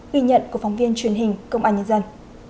ghi nhận của phóng viên truyền hình công an nhân dân